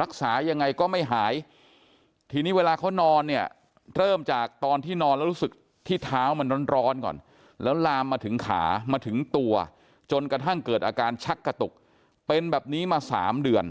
รักษายังไงก็ไม่หายทีนี้เวลาเขานอนเนี่ยเริ่มจากตอนที่นอนแล้วรู้สึกที่เท้ามันร้อนก่อนแล้วลามมาถึงขามาถึงตัวจนกระทั่งเกิดอาการชักกระตุกเป็นแบบนี้มา๓เดือน